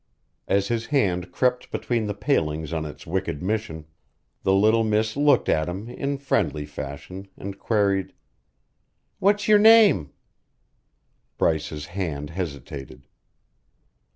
As his hand crept between the palings on its wicked mission, the little miss looked at him in friendly fashion and queried: "What's your name?" Bryce's hand hesitated.